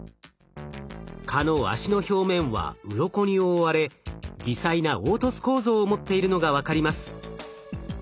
蚊の脚の表面はうろこに覆われ微細な凹凸構造を持っているのが分かります。